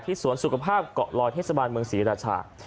สวนสุขภาพเกาะลอยเทศบาลเมืองศรีราชา